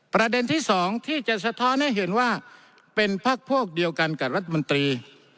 ประเด็นที่สองที่จะสะท้อนให้เห็นว่าเป็นพักพวกเดียวกันกับรัฐมนตรี